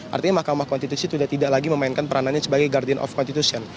artinya mk sudah tidak lagi memainkan peranannya sebagai guardian of constitution